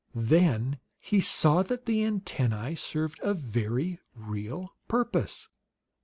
Then he saw that the antennae served a very real purpose.